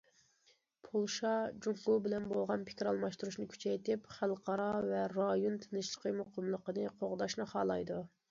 پولشا جۇڭگو بىلەن بولغان پىكىر ئالماشتۇرۇشنى كۈچەيتىپ، خەلقئارا ۋە رايون تىنچلىقى، مۇقىملىقىنى قوغداشنى خالايدۇ.